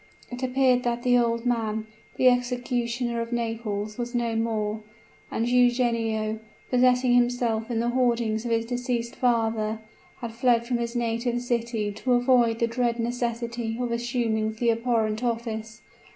It appeared that the old man the executioner of Naples was no more; and Eugenio, possessing himself of the hoardings of his deceased father, had fled from his native city to avoid the dread necessity of assuming the abhorrent office.